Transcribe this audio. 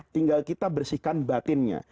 tinggal kita bersihkan batinnya